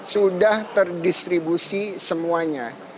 sudah terdistribusi semuanya